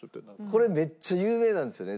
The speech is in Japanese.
これめっちゃ有名なんですよね。